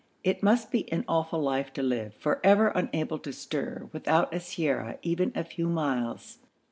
It must be an awful life to live for ever unable to stir without siyara even a few miles.